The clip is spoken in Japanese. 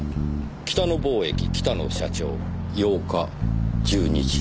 「北野貿易北野社長」８日１２時。